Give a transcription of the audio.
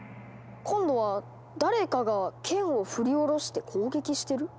今度は誰かが剣を振り下ろして攻撃してる？